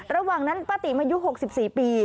ระหว่างนั้นป้าติ๋มอายุ๖๔ปี